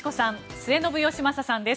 末延吉正さんです